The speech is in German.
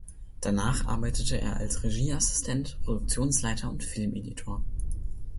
Danach arbeitete er als Regieassistent, Produktionsleiter und Filmeditor.